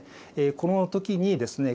この時にですね